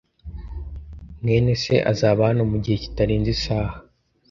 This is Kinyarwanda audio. mwene se azaba hano mugihe kitarenze isaha.